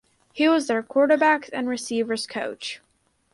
He was their Quarterbacks and Receivers Coach.